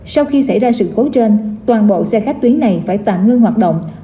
sau khi xảy ra sự cố trên toàn bộ xe khách tuyến này phải tạm ngưng hoạt động